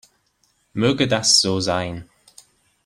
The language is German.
Möge das so sein.